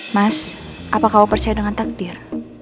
mas apa kamu percaya dengan takdir